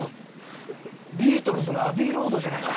ビートルズの『アビイ・ロード』じゃないですか。